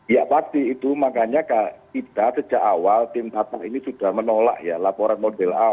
ya pasti itu makanya kita sejak awal tim tata ini sudah menolak ya laporan model awal